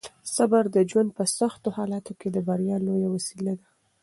صبر د ژوند په سختو حالاتو کې د بریا لویه وسیله ده.